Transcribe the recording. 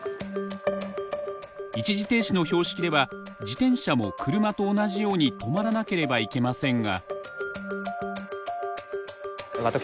一時停止の標識では自転車も車と同じように止まらなければいけませんが。